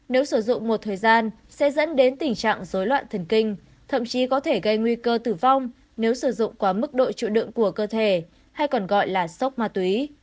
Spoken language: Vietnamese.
nếu sử dụng một thời gian sẽ dẫn đến tình trạng dối loạn thần kinh thậm chí có thể gây nguy cơ tử vong nếu sử dụng quá mức độ chịu đựng của cơ thể hay còn gọi là sốc ma túy